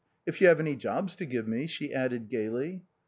If you have any jobs to give me," she added gaily.